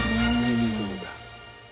リズムが。